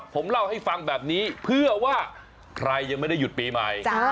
ผมเล่าให้ฟังแบบนี้เพื่อว่าใครยังไม่ได้หยุดปีใหม่